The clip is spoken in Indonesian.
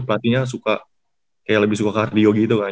pelatihnya suka kayak lebih suka kardio gitu kan